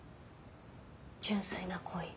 純粋な恋。